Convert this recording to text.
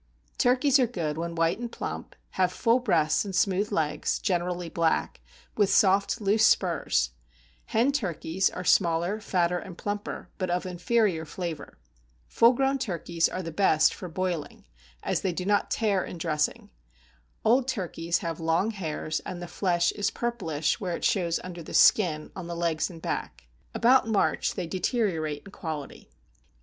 Turkeys are good when white and plump, have full breasts and smooth legs, generally black, with soft loose spurs; hen turkeys are smaller, fatter, and plumper, but of inferior flavor; full grown turkeys are the best for boiling, as they do not tear in dressing; old turkeys have long hairs, and the flesh is purplish where it shows under the skin on the legs and back. About March they deteriorate in quality.